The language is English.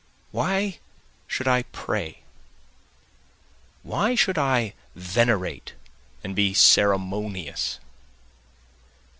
Why should I pray? why should I venerate and be ceremonious?